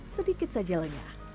sedikit saja lenyak